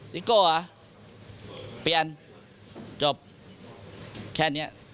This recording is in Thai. ซิโก้เหรอเปลี่ยนจบแค่นี้